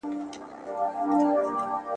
ایا ستا سهارنی لمونځ تل په قضا کې ځي؟